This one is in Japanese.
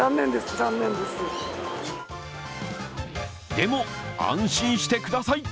でも安心してください！